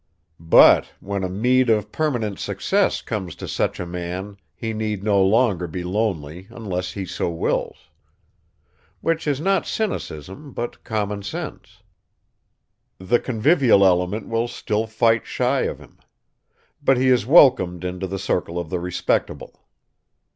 But when a meed of permanent success comes to such a man he need no longer be lonely unless he so wills. Which is not cynicism, but common sense. The convivial element will still fight shy of him. But he is welcomed into the circle of the respectable.